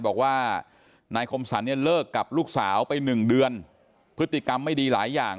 บอกว่านายคมสรรเนี่ยเลิกกับลูกสาวไปหนึ่งเดือนพฤติกรรมไม่ดีหลายอย่าง